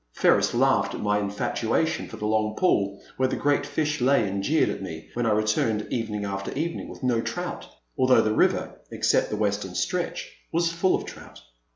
Ferris laughed at my infatuation for the long pool where the great fish lay and jeered at me when I returned evening after evening with no trout, although the river, except the western stretch, was full of trout.